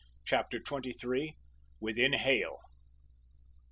CHAPTER TWENTY THREE. WITHIN HAIL.